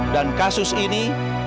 dan kasus ini